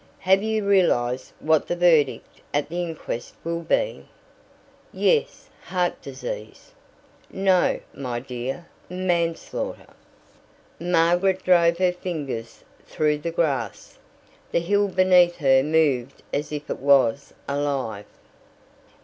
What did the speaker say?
"Have you realized what the verdict at the inquest will be?" "Yes, heart disease." "No, my dear; manslaughter." Margaret drove her fingers through the grass. The hill beneath her moved as if it was alive.